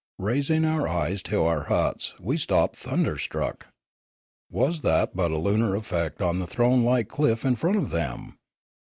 Raising our eyes to our huts, we stopped thunderstruck. Was that but a lunar effect on the throne like cliff in front of them?